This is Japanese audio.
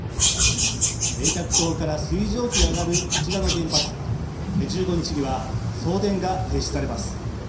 冷却塔から水蒸気が上がるこちらの原発１５日には、送電が停止されます。